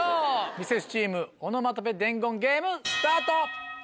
ミセスチームオノマトペ伝言ゲーム。